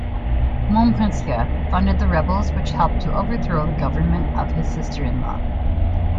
Montpensier funded the rebels, which helped to overthrow the government of his sister-in-law.